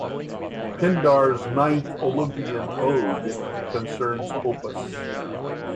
Pindar's ninth Olympian ode, concerns Opus.